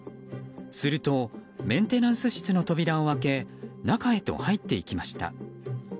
するとメンテナンス室の扉を開け中へと入っていきました。